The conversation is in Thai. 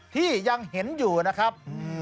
ที่ยังเห็นอยู่นะครับ